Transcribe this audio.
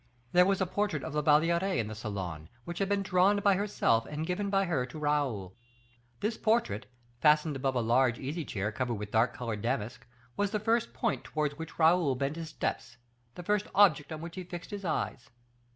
There was a portrait of La Valliere in the salon, which had been drawn by herself and given by her to Raoul. This portrait, fastened above a large easy chair covered with dark colored damask, was the first point towards which Raoul bent his steps the first object on which he fixed his eyes.